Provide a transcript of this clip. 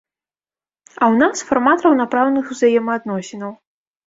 А ў нас фармат раўнапраўных узаемаадносінаў.